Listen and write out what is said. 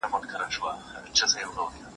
لکه پېروته، چې ګلاب نه تاو شي